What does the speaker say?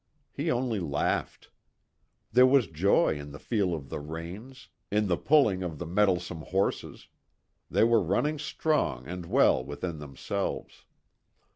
He only laughed. There was joy in the feel of the reins, in the pulling of the mettlesome horses. They were running strong and well within themselves.